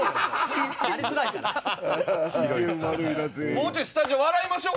もうちょいスタジオ笑いましょう。